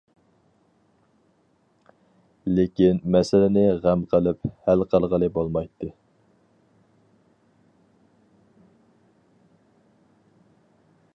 لېكىن مەسىلىنى غەم قىلىپ ھەل قىلغىلى بولمايتتى.